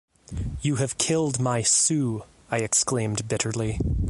'You have killed my Sue,' I exclaimed bitterly.